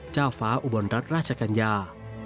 เจ้าฟ้าอุบลรัฐราชกัญญา